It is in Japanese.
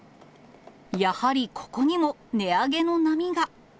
やはりここにも値上げの波が。